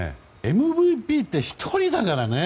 ＭＶＰって１人だからね。